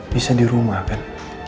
bisa di rumah kan